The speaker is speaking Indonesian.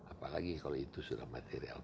apalagi kalau itu sudah material